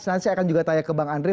nanti saya akan juga tanya ke bang andre